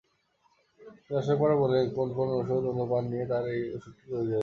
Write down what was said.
তিনি অসংখ্যবার বললেন কোন কোন অনুপান দিয়ে তাঁর এই অষুধটি তৈরি হয়েছে।